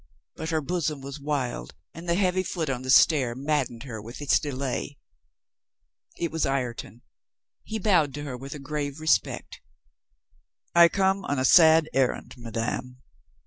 But her bosom was wild and the heavy foot on the stair mad dened her with its delay. It was Ireton. He bowed to her with a grave re spect. "I come on a sad errand, madame.